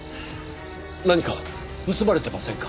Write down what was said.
何か盗まれてませんか？